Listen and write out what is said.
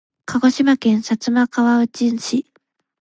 鹿児島県薩摩川内市